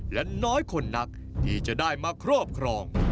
และน้อยคนนักที่จะได้มาครอบครอง